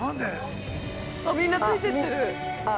みんなついていってる。